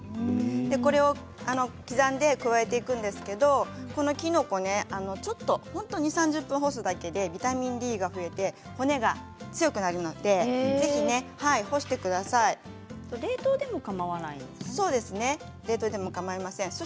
これを刻んで加えていくんですけれども、このきのこ本当に２０分３０分干すだけでビタミンＤが増えて骨が強くなるので冷凍でも冷凍でもかまいません。